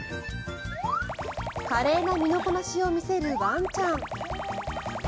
華麗な身のこなしを見せるワンちゃん。